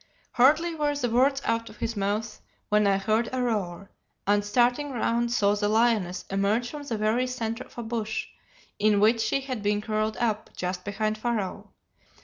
"Hardly were the words out of his mouth, when I heard a roar, and starting round saw the lioness emerge from the very centre of a bush, in which she had been curled up, just behind Pharaoh.